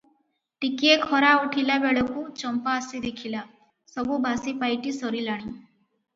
ଟିକିଏ ଖରା ଉଠିଲା ବେଳକୁ ଚମ୍ପା ଆସି ଦେଖିଲା, ସବୁ ବାସି ପାଇଟି ସରିଲାଣି ।